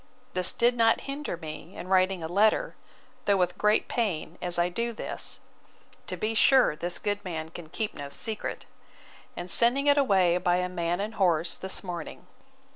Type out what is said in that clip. This did not hinder me in writing a letter, though with great pain, as I do this, (To be sure this good man can keep no secret!) and sending it away by a man and horse, this morning.